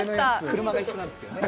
車が一緒なんですよね